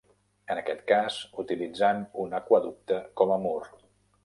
En aquest cas utilitzant un aqüeducte com a mur.